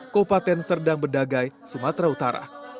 kopaten serdang bedagai sumatera utara